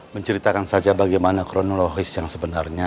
menceritakan saja bagaimana kronologis yang sebenarnya